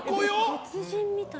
別人みたい。